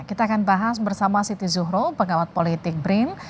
kita akan bahas bersama siti zuhro pengawat politik brin